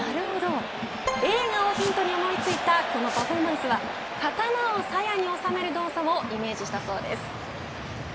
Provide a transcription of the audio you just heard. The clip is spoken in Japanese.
映画をヒントに思いついたこのパフォーマンスは刀をさやに納める動作をイメージしたそうです。